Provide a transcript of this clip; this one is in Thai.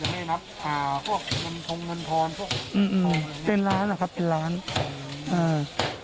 ยังไม่นับอ่าพวกเงินทองเงินพรพวกอืมอืมเป็นล้านอ่ะครับเป็นล้านอืม